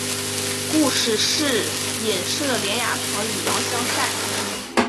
故事是隐射连雅堂与王香禅。